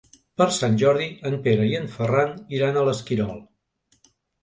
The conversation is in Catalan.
Per Sant Jordi en Pere i en Ferran iran a l'Esquirol.